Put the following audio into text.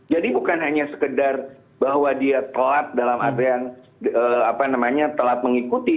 jadi bukan hanya sekedar bahwa dia telat dalam adanya telat mengikuti